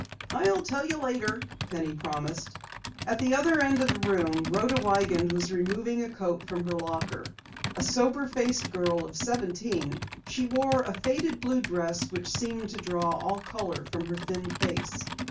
"I'll tell you later," Penny promised. At the other side of the room Rhoda Wiegand was removing a coat from her locker. A sober faced girl of seventeen, she wore a faded blue dress which seemed to draw all color from her thin face.